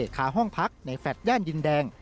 คาห้องพักในแฟลต์ย่านดินแดง